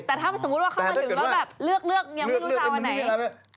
แต่ถ้าสมมุติเข้ามาถึงก็เลือกยังไม่รู้จะเอาไหน